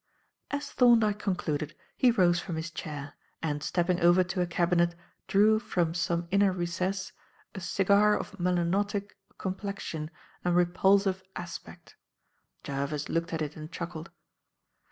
As Thorndyke concluded, he rose from his chair, and, stepping over to a cabinet, drew from some inner recess a cigar of melanotic complexion and repulsive aspect. Jervis looked at it and chuckled.